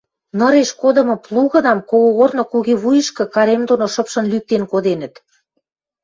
ныреш кодымы плугынам когогорны куги вуйышкы керем доно шыпшын лӱктен коденӹт.